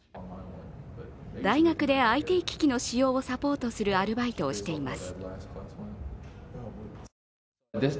大学でＩＴ機器の使用をサポートするアルバイトをしています。